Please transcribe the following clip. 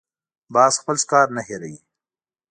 باز خپل ښکار نه هېروي